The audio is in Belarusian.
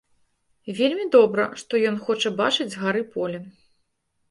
Вельмі добра, што ён хоча бачыць з гары поле.